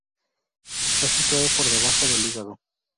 Está situada por debajo del hígado.